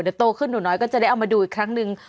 เดี๋ยวโตขึ้นหนูน้อยก็จะได้เอามาดูอีกครั้งหนึ่ง